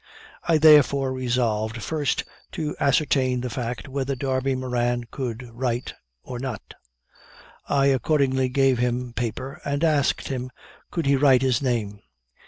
I therefore resolved first to ascertain the fact whether Darby Moran could write or not. I accordingly gave him paper, and asked him could he write his name.